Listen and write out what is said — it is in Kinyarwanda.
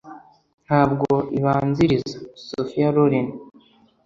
ntabwo ibanziriza - sophia loren